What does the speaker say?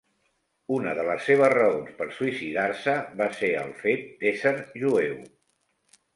Una de les seves raons per suïcidar-se va ser el fet d'ésser jueu.